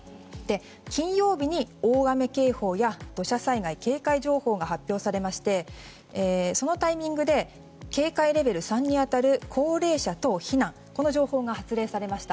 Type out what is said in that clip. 金曜日に大雨警報や土砂災害警戒情報が発表されましてそのタイミングで警戒レベル３に当たる高齢者等避難の情報が発令されました。